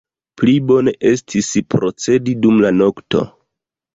Pli bone estis procedi dum la nokto.